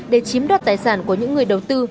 để chiếm đoạt tài sản của những người đầu tư